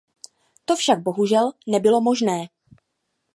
To však bohužel nebylo možné.